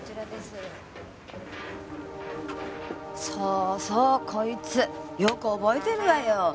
そうそうこいつよく覚えてるわよ。